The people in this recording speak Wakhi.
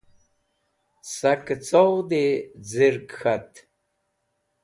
Sakẽ coghdi z̃irg g̃ht.